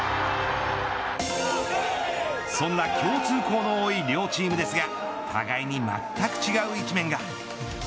そんな共通項の多い両チームですが互いにまったく違う一面が。